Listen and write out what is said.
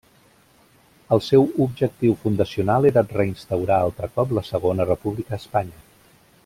El seu objectiu fundacional era reinstaurar altre cop la segona república a Espanya.